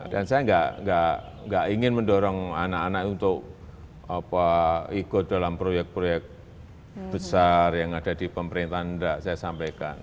dan saya gak ingin mendorong anak anak untuk ikut dalam proyek proyek besar yang ada di pemerintahan nggak saya sampaikan